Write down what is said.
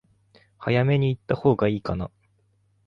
早めに行ったほうが良いかな？